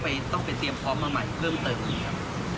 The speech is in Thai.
หรือต้องไปเตรียมพร้อมมาใหม่เริ่มเติม